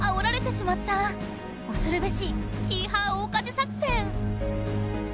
おそるべし「ヒーハー大風作戦」！